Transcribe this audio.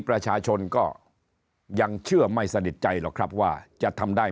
ประชาชนก็ยังเชื่อไม่สนิทใจหรอกครับว่าจะทำได้